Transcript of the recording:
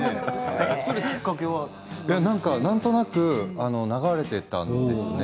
なんとなく流れていたんですね。